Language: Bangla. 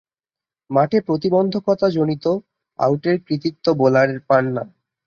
মাঠে প্রতিবন্ধকতা জনিত আউটের কৃতিত্ব বোলার পান না।